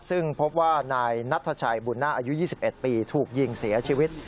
ซึ่งพบว่านายนัทชัยบุญนาคอายุ๒๑ปีถูกยิงเสียชีวิต